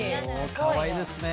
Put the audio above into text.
かわいいですね。